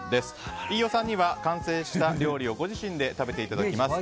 飯尾さんには完成した料理をご自身で食べていただきます。